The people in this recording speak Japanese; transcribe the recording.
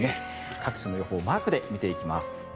各地の予報をマークで見ていきます。